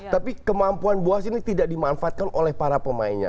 tapi kemampuan boas ini tidak dimanfaatkan oleh para pemainnya